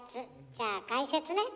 じゃあ解説ね。